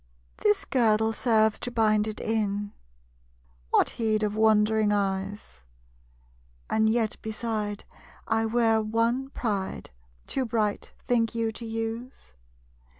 This girdle serves to bind it in; What heed of wondering eyes? And yet beside, I wear one pride Too bright, think you, to use?